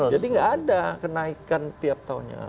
jadi tidak ada kenaikan tiap tahunnya